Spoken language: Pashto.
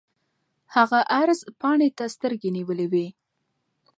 هغه عرض پاڼې ته سترګې نیولې وې.